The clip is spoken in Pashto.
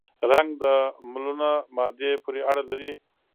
رنګ د ملونه مادې پورې اړه لري.